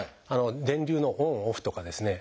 電流のオンオフとかですね